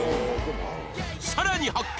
さらに発見！